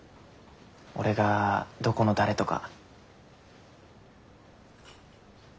俺がどこの誰とか。